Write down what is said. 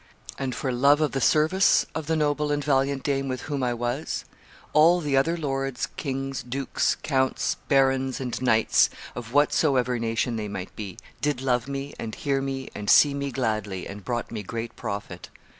And for love of the service of the noble and valiant dame with whom I was, all the other lords, kings, dukes, counts, barons, and knights, of whatsoever nation they might be, did love me and hear me and see me gladly, and brought me great profit.